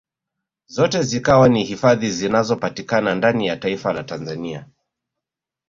Zote zikiwa ni hifadhi zinazopatikana ndani ya taifa la Tanzania